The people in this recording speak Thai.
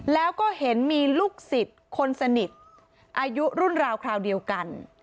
แล้วก็เห็นมีลูกศิษย์คนสนิทอายุรุ่นราวคราวเดียวกัน